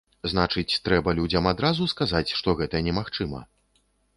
Значыць, трэба людзям адразу сказаць, што гэта немагчыма?